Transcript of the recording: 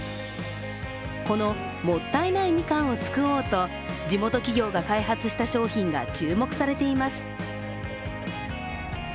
この、もったいないみかんを救おうと、地元企業が開発した商品が注目されています。